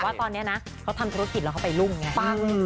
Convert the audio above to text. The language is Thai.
ว่าตอนนี้เขาทำธุรกิจแล้วเขาไปรุ่งอย่างนี้